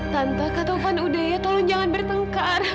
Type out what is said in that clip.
tante kata taufan udah ya tolong jangan bertengkar